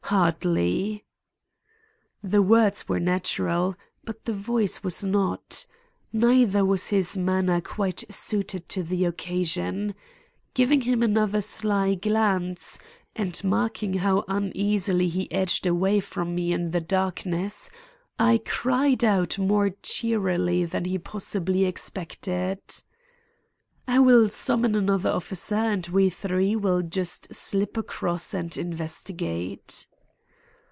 Hardly." The words were natural, but the voice was not. Neither was his manner quite suited to the occasion. Giving him another sly glance, and marking how uneasily he edged away from me in the darkness, I cried out more cheerily than he possibly expected: "I will summon another officer and we three will just slip across and investigate."